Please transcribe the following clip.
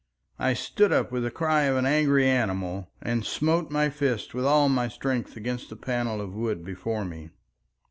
I stood up with the cry of an angry animal, and smote my fist with all my strength against the panel of wood before me.